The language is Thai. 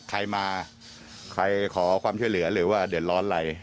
ใครมาใครขอความช่วยเหลือหรือว่าเดือดร้อนอะไร